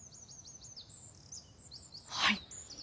はい。